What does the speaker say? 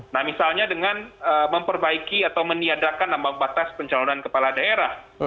nah misalnya dengan memperbaiki atau meniadakan ambang batas pencalonan kepala daerah